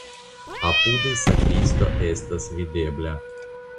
Apude sakristio estas videbla.